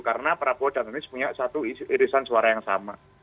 karena prabowo dan anis punya satu irisan suara yang sama